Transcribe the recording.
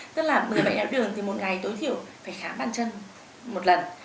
tức là người bệnh đài tháo đường thì một ngày tối thiểu phải khám bàn chân một lần